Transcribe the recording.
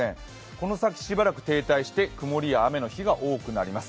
この先停滞して、曇りや雨の日が多くなります。